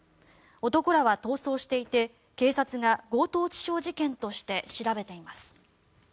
男らは逃走していて警察が強盗致傷事件として調べています。